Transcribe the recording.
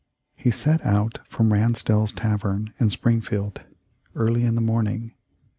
He set out from Ransdell's tavern in Springfield, early in the morning.